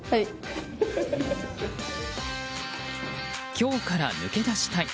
凶から抜け出したい。